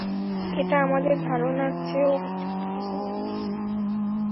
এটা আমাদের ধারণার চেয়েও জটিল কিছু মনে হচ্ছে।